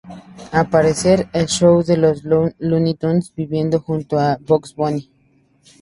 Aparece en "El Show de los Looney Tunes" viviendo junto a Bugs Bunny.